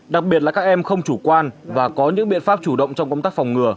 đặc biệt là các em không chủ quan và có những biện pháp chủ động trong công tác phòng ngừa